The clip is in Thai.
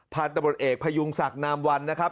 ตำรวจเอกพยุงศักดิ์นามวันนะครับ